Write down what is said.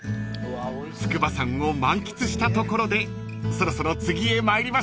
［筑波山を満喫したところでそろそろ次へ参りましょう］